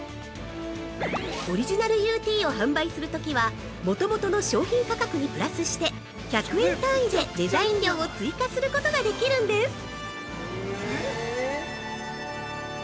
◆オリジナルＵＴを販売するときは、元々の商品価格にプラスして１００円単位でデザイン料を追加することができるんです。